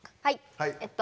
はい。